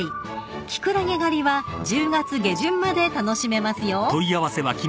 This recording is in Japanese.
［キクラゲ狩りは１０月下旬まで楽しめますよ］